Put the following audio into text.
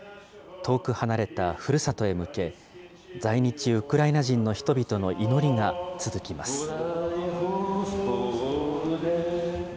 遠く離れたふるさとへ向け、在日ウクライナ人の人々の祈りが続きます。